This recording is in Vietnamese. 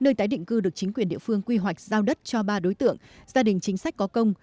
nơi tái định cư được chính quyền địa phương quy hoạch giao đất cho ba đối tượng gia đình chính sách có công